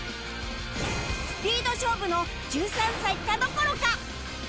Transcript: スピード勝負の１３歳田所か？